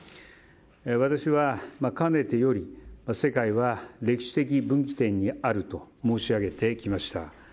私はかねてより世界は歴史的分岐点にあると申し上げてきました。